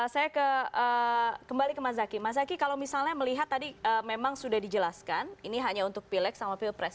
saya kembali ke mas zaky mas zaky kalau misalnya melihat tadi memang sudah dijelaskan ini hanya untuk pileg sama pilpres